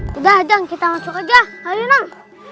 sudah jang kita masuk saja ayo nang